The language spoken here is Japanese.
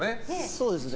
そうですね。